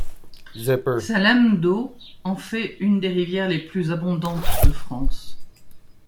Sa lame d'eau de en fait une des rivières les plus abondantes de France.